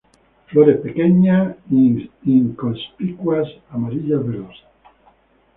Flores pequeñas, inconspicuas amarillas-verdosas.